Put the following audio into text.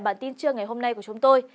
bản tin trưa ngày hôm nay của chúng tôi